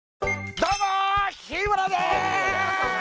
どうも日村です！